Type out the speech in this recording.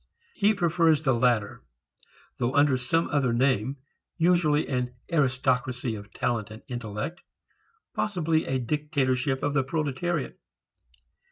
He prefers the latter, though under some other name, usually an aristocracy of talent and intellect, possibly a dictatorship of the proletariat.